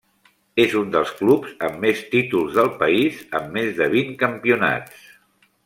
És un dels clubs amb més títols del país amb més de vint campionats.